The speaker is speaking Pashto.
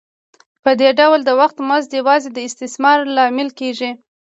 په دې ډول د وخت مزد یوازې د استثمار لامل کېږي